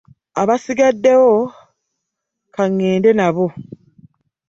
Abasigaddewo ka ŋŋende nabo.